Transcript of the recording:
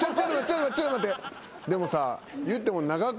ちょっと待って。